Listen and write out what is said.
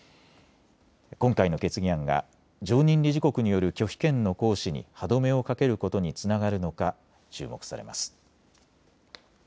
今回の決議案が常任理事国による拒否権の行使に歯止めをかけることにつながるのか注目されます。